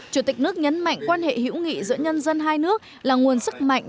chủ tịch nước nhấn mạnh quan hệ hữu nghị giữa nhân dân hai nước là nguồn sức mạnh